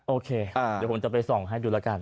โอเคเดี๋ยวผมจะไปส่องให้ดูแล้วกัน